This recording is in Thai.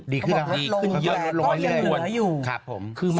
โรงอินทยายก็ยังเหนืออยู่